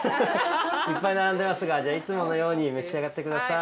いっぱい並んでますがいつものように召し上がってください。